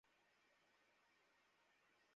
জানি এতে তোমার খারাপ লাগতে পারে।